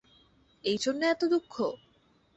এই জন্য এতো দুঃখ?